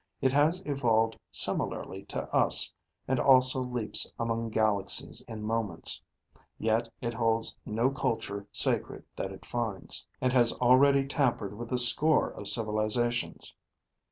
It has evolved similarly to us, and also leaps among galaxies in moments. Yet it holds no culture sacred that it finds, and has already tampered with a score of civilizations.